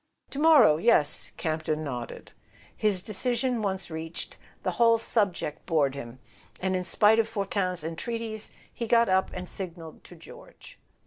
.." "To morrow—yes," Campton nodded. His decision once reached, the whole subject bored him, and in spite of Fortin's entreaties he got up and signalled to George.